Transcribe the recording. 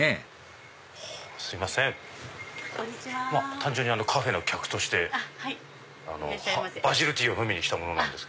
単純にカフェの客としてバジルティーを飲みに来た者です。